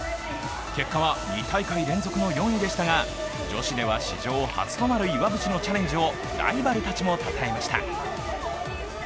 結果は２大会連続の４位でしたが女子では史上初となる岩渕のチャレンジをライバルたちも称えました。